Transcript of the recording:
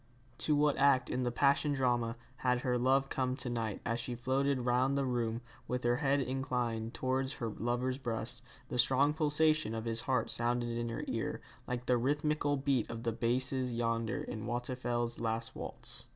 To what act in the passion drama had her love come to night as she floated round the room, with her head inclined towards her lover's breast, the strong pulsation of his heart sounding in her ear, like the rhythmical beat of the basses yonder in Waldteufel's last waltz?